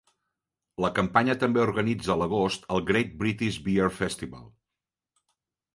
La Campanya també organitza l'agost el Great British Beer Festival,